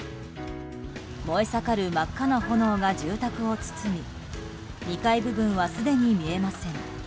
燃え盛る真っ赤な炎が住宅を包み２階部分はすでに見えません。